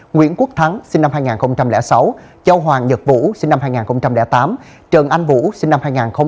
nguyễn quốc thắng sinh năm hai nghìn sáu châu hoàng nhật vũ sinh năm hai nghìn tám trần anh vũ sinh năm hai nghìn một